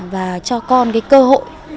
và cho con cái cơ hội